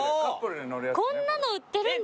こんなの売ってるんだ。